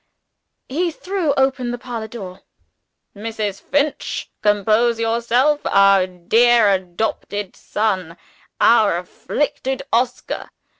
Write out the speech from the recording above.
He threw open the parlor door. "Mrs. Finch! compose yourself. Our dear adopted son. Our afflicted Oscar!"